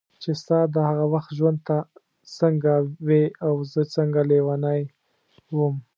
چې ستا د هغه وخت ژوند ته څنګه وې او زه څنګه لیونی وم.